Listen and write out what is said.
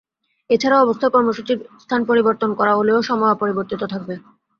এ ছাড়া অবস্থান কর্মসূচির স্থান পরিবর্তন করা হলেও সময় অপরিবর্তিত থাকবে।